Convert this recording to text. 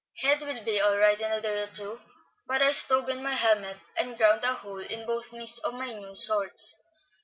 "Head will be all right in a day or two, but I stove in my helmet, and ground a hole in both knees of my new shorts.